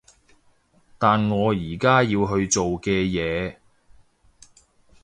但我而家要去做嘅嘢